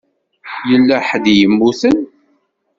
Yella ḥedd i yemmuten.